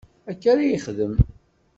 Akka ara yexdem.